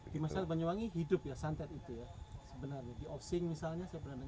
di masyarakat banyuwangi santet itu hidup ya sebenarnya di opsing misalnya